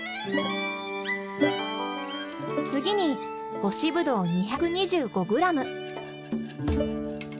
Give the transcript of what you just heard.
次に干しブドウ２２５ｇ。